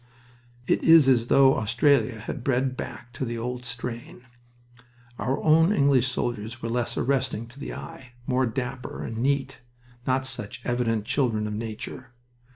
It is as though Australia had bred back to the old strain. Our own English soldiers were less arresting to the eye, more dapper and neat, not such evident children of nature.